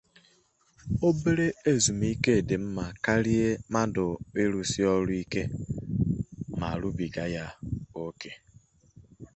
Ọkammụta Soludo kelere ndị obodo ahụ